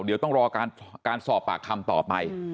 เดี๋ยวต้องรอการสอบปากคำต่อไป